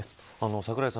櫻井さん。